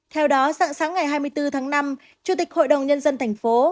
theo đó dạng sáng ngày hai mươi bốn tháng năm chủ tịch hội đồng nhân dân thành phố